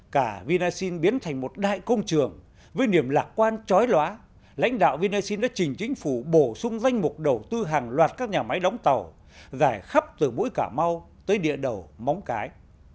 cả vinasin biến thành một đại công trường với niềm lạc quan trói lóa lãnh đạo vinasin đã chỉnh chính phủ bổ sung danh mục đầu tư hàng loạt các nhà máy đóng tàu dài khắp từ bũi cả mau tới địa đầu móng cái